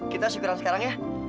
kita syukuran sekarang ya